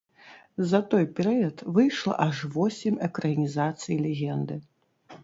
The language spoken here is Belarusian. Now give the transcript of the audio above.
За той перыяд выйшла аж восем экранізацый легенды.